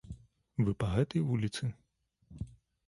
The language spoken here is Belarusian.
Вы па гэтай вуліцы?